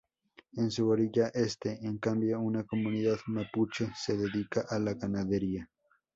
En su orilla este, en cambio, una comunidad mapuche se dedica a la ganadería.